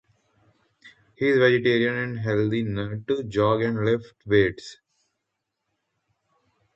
He is a vegetarian and health nut, jogs and lifts weights.